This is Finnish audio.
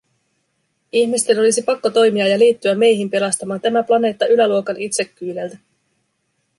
Ihmisten olisi pakko toimia ja liittyä meihin pelastamaan tämä planeetta yläluokan itsekkyydeltä.